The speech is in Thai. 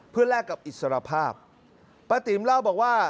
เพื่อแลกกับอิสรภาพป้าติ๋มเล่าบอกว่า